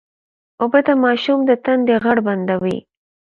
اوبه د ماشوم د تندې غږ بندوي